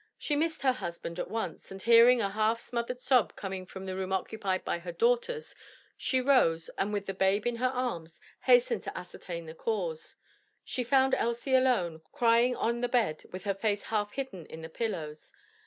She missed her husband at once, and hearing a half smothered sob coming from the room occupied by her daughters; she rose and with the babe in her arms, hastened to ascertain the cause. She found Elsie alone, crying on the bed with her face half hidden in the pillows.